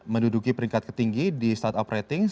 menduduki peringkat ketinggi di startup ratings